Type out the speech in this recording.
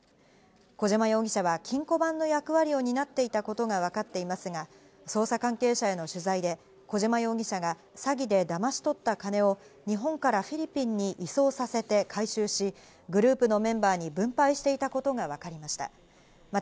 小島容疑者は金庫番の役割を担っていたことがわかっていますが、捜査関係者への取材で小島容疑者が詐欺でだまし取った金を日本からフィリピンに移送させて回収し、グループのメンバーに分配していたことがわかりました。